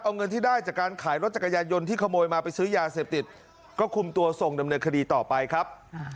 เอาเงินที่ได้จากการขายรถจักรยานยนต์ที่ขโมยมาไปซื้อยาเสพติดก็คุมตัวส่งดำเนินคดีต่อไปครับ